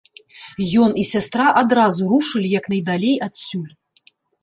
Ён і сястра адразу рушылі як найдалей адсюль.